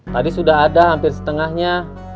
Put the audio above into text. tadi sudah ada hampir setengahnya